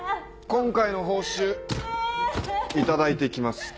今回の報酬頂いてきました。